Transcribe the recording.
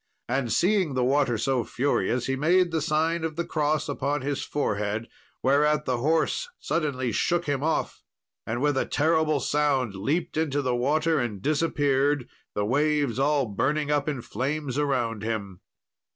And seeing the water so furious, he made the sign of the cross upon his forehead, whereat the horse suddenly shook him off, and with a terrible sound leaped into the water and disappeared, the waves all burning up in flames around him.